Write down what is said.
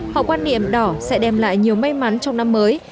họ quan niệm đỏ sẽ đem lại nhiều may mắn trong năm mới